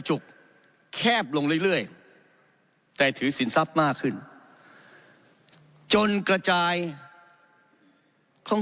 จุกแคบลงเรื่อยแต่ถือสินทรัพย์มากขึ้นจนกระจายของ